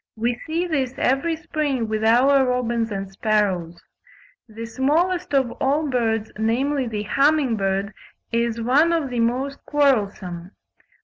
We see this every spring with our robins and sparrows. The smallest of all birds, namely the humming bird, is one of the most quarrelsome.